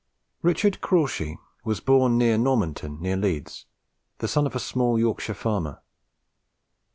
Richard Crawshay was born at Normanton near Leeds, the son of a small Yorkshire farmer.